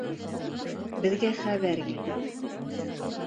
Беҙгә хәбәр килде.